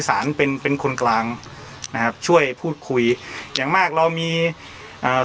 สารเป็นเป็นคนกลางนะครับช่วยพูดคุยอย่างมากเรามีเอ่อ